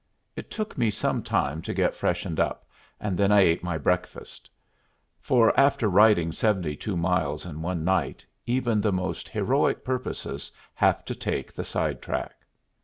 It took me some time to get freshened up, and then I ate my breakfast; for after riding seventy two miles in one night even the most heroic purposes have to take the side track.